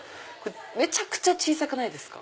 めちゃくちゃ小さくないですか？